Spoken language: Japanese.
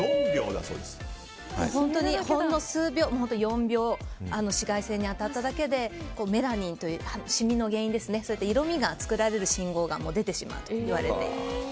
本当にほんの数秒、４秒紫外線に当たっただけでメラニンというシミの原因色味が作られる信号が出てしまうといわれています。